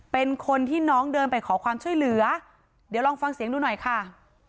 เป็นคนที่น้องเดินไปขอความช่วยเหลือเดี๋ยวลองฟังเสียงดูหน่อยค่ะ